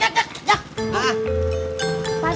gak ada apaan